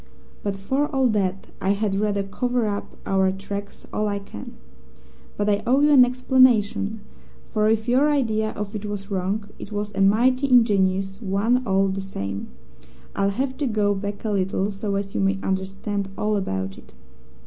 But for all that, I had rather cover up our tracks all I can. But I owe you an explanation, for if your idea of it was wrong, it was a mighty ingenious one all the same. I'll have to go back a little so as you may understand all about it.